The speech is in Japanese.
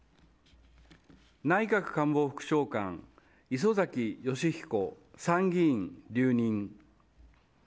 内閣官房副長官磯崎仁彦参議員、留任。